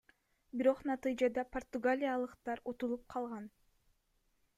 Бирок натыйжада португалиялыктар утулуп калган.